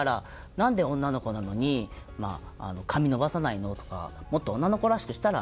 「何で女の子なのに髪伸ばさないの？」とか「もっと女の子らしくしたら？」